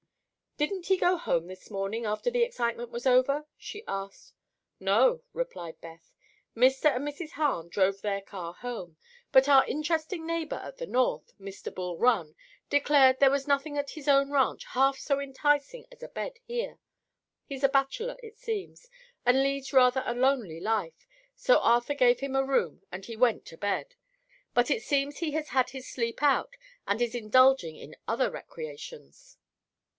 "Didn't he go home this morning, after the excitement was over?" she asked. "No," replied Beth. "Mr. and Mrs. Hahn drove their car home, but our interesting neighbor at the north, Mr. Bul Run, declared there was nothing at his own ranch half so enticing as a bed here. He's a bachelor, it seems, and leads rather a lonely life. So Arthur gave him a room and he went to bed; but it seems he has had his sleep out and is indulging in other recreations."